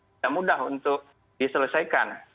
tidak mudah untuk diselesaikan